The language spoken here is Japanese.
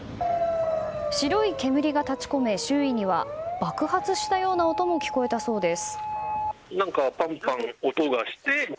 白い煙が立ち込め、周囲には爆発したような音も聞こえたそうです。